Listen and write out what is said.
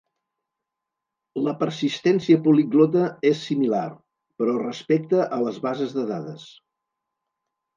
La persistència poliglota és similar, però respecte a les bases de dades.